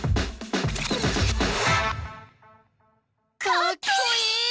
かっこいい！